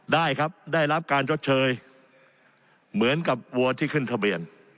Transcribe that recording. ได้ครับได้รับการชดเชยเหมือนกับวัวที่ขึ้นทะเบียน